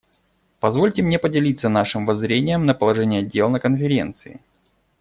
Позвольте мне поделиться нашим воззрением на положение дел на Конференции.